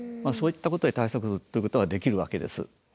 そういったことで対策ということはできるわけです。